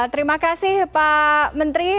terima kasih pak menteri